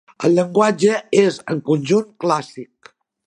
El llenguatge és en conjunt clàssic.